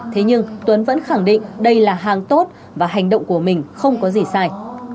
thế nhưng tuấn vẫn khẳng định đây là hàng tốt và hành động của mình không có gì sai